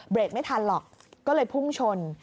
ไม่ทันหรอกก็เลยพุ่งชน